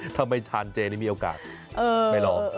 ถ้าไม่ทานเจนี่มีโอกาสไม่ลอง